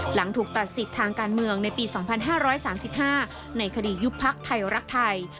หลังถูกตัดสิทธิ์ทางการเมืองในปี๒๕๓๕ในคดียุบพักไทยรักไทย